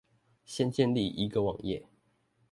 先建立一個網頁